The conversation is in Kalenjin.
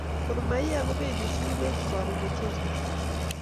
Gor mahi kopendi silibwet karon kochezani